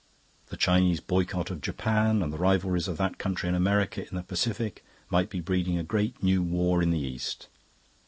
The Chinese boycott of Japan, and the rivalries of that country and America in the Pacific, might be breeding a great new war in the East.